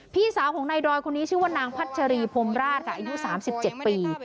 พี่สาวของนายดอยคนนี้ชื่อว่านางพัชรีพรมราชค่ะอายุ๓๗ปี